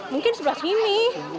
mungkin di sebelah sini